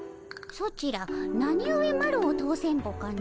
ソチらなにゆえマロを通せんぼかの？